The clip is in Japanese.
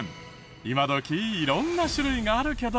今どき色んな種類があるけど。